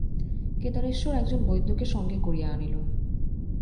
কেদারেশ্বর একজন বৈদ্যকে সঙ্গে করিয়া আনিল।